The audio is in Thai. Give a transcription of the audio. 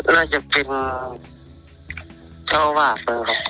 น่าจะเป็น